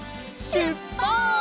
しゅっぱつ！